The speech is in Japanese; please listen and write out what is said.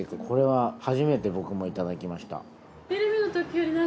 これは初めて僕もいただきました。